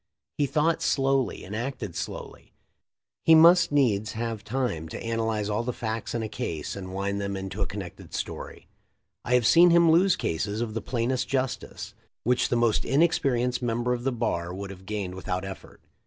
He thought slowly and acted slowly; he must needs have time to analyze all the facts in a case and wind them into a connected story. I have seen him lose cases of the plainest justice, which the most inexperienced member of the bar would have gained without effort.